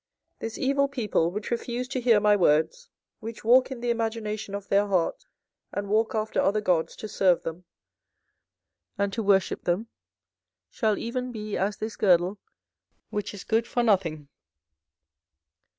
24:013:010 This evil people, which refuse to hear my words, which walk in the imagination of their heart, and walk after other gods, to serve them, and to worship them, shall even be as this girdle, which is good for nothing.